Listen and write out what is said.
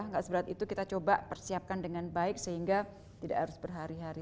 nggak seberat itu kita coba persiapkan dengan baik sehingga tidak harus berhari hari